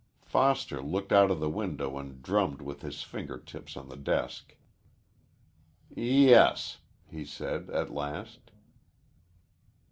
Foster looked out of the window and drummed with his finger tips on the desk. "Yes," he said at last.